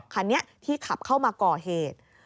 คันนี้ที่ขับเข้ามาก่อเหตุ